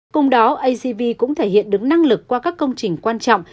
cùng đó acv cũng thể hiện đứng năng lực qua các công trình quan trọng